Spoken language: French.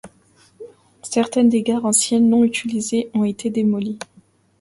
Certaines des gares anciennes non utilisées ont été démolies.